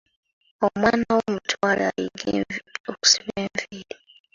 Omwana wo mutwale ayige okusiba enviiri.